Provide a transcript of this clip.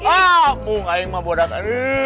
ah mau ngain mah bodak ini